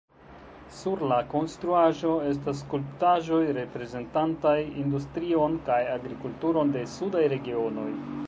Sur la konstruaĵo estas skulptaĵoj, reprezentantaj industrion kaj agrikulturon de sudaj regionoj.